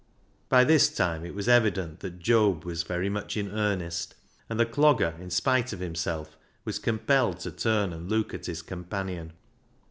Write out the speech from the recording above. By this time it was evident that Job was very much in earnest, and the Clogger, in spite of himself, was compelled to turn and look at his companion.